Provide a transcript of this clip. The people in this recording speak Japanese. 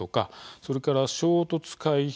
それから衝突回避